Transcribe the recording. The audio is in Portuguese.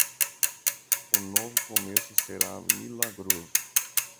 O novo começo será milagroso.